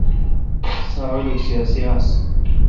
سو اولوک سیاسی آس۔